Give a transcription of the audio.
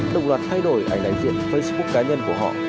đồng loạt thay đổi ảnh đại diện facebook cá nhân của họ